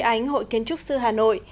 trường huy ảnh hội kiến trúc sư hà nội